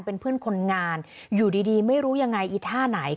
เป็นเพื่อนคนงานอยู่ดีไม่รู้ยังไงอีท่าไหน